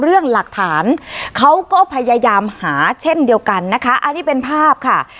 เรื่องหลักฐานเขาก็พยายามหาเช่นเดียวกันนะคะอันนี้เป็นภาพค่ะ